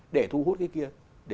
để thu hút cái kia